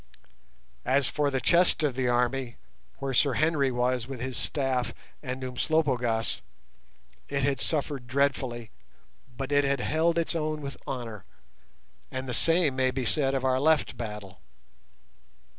As for the chest of the army where Sir Henry was with his staff and Umslopogaas, it had suffered dreadfully, but it had held its own with honour, and the same may be said of our left battle.